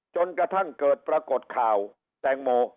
จนกระทั่งเกิดปรากฏข่าวแตงโม